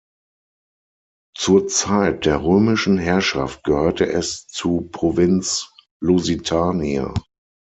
Zur Zeit der römischen Herrschaft gehörte es zu Provinz Lusitania.